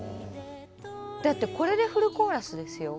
だってこれでフルコーラスですよ。